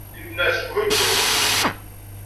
Yemneɛ seg uhuddu.